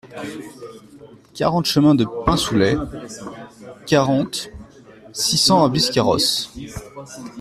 quarante chemin de Pinsoulet, quarante, six cents à Biscarrosse